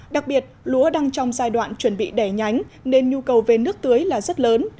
đặc biệt lúa đang trong giai đoạn chuẩn bị đẻ nhánh nên nhu cầu về nước tưới là rất lớn